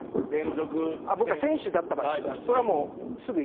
僕が選手だった場合ですか。